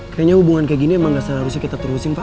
kayaknya hubungan kayak gini emang gak seharusnya kita terusin pak